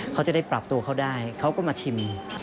เขาจะได้ปรับตัวเขาได้เขาก็มาชิม